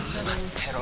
てろ